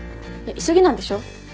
急ぎなんでしょ？